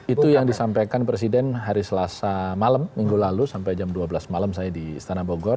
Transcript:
itu yang disampaikan presiden hari selasa malam minggu lalu sampai jam dua belas malam saya di istana bogor